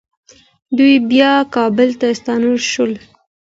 دوی بیرته کابل ته ستانه شول.